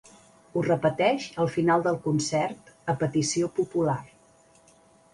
Ho repeteix al final del concert, a petició popular.